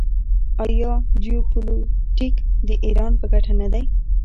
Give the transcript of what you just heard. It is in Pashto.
آیا جیوپولیټیک د ایران په ګټه نه دی؟